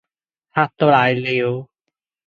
嚇到瀨尿